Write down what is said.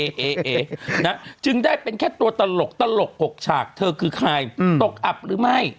จึงได้เป็นแค่ตัวตลกตลก๖ฉากเธอคือใครตกอับหรือไม่